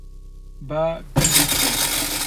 با بیبیستم.